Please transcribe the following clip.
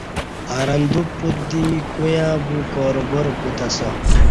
ارندو پت دی کویاں بو کاروبار پت اسہ